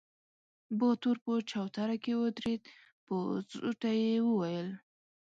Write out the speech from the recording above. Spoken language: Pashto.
باتور په چوتره کې ودرېد، په زوټه يې وويل: